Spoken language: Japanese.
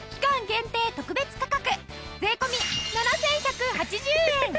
限定特別価格税込７１８０円！